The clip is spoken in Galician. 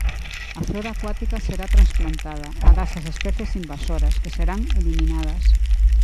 A flora acuática será transplantada, agás as especies invasoras, que serán eliminadas.